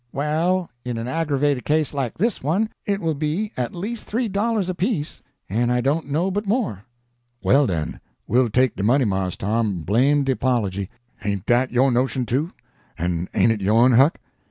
"Well, in an aggravated case like this one, it will be at least three dollars apiece, and I don't know but more." "Well, den, we'll take de money, Mars Tom, blame de 'pology. Hain't dat yo' notion, too? En hain't it yourn, Huck?"